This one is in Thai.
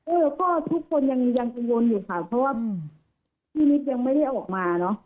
เออก็ทุกคนยังกังวลอยู่ค่ะเพราะว่าพี่นิดยังไม่ได้เอาออกมาเนอะ